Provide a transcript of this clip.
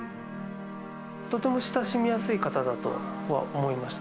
とても親しみやすい方だとは思いました。